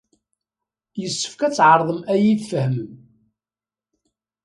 Yessefk ad tɛerḍem ad iyit-tfehmem.